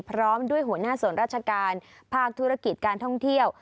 พร้อมด้วยหัวหน้าส่วนราชการภาคธุรกิจการท่องเที่ยว